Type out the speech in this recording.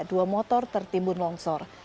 dua motor tertimbun longsor